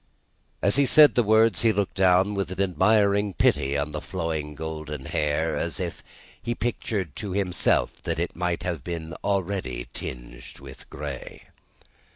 As he said the words he looked down, with an admiring pity, on the flowing golden hair; as if he pictured to himself that it might have been already tinged with grey.